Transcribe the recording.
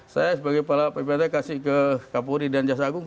saya sebagai kepala bpt kasih ke kapolri dan jasa agung